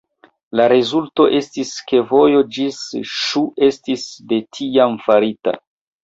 La rezulto estis ke vojo ĝis Ŝu estis de tiam farita.